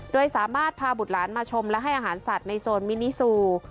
โดยสามารถพาบุตรหลานมาชมและให้อาหารสัตว์ในโซนมินิซู